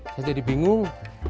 saya jadi bingung